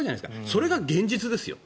それが現実ですよ。